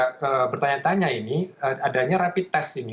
saya bertanya tanya ini adanya rapid test ini